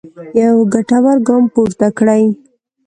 یو ګټور ګام پورته کړی.